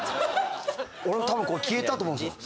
俺のタマ消えたと思うんですよ